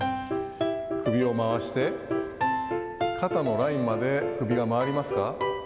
首を回して、肩のラインまで首が回りますか。